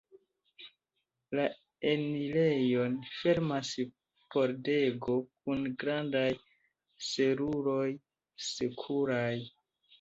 La enirejon fermas pordego kun grandaj seruroj sekuraj.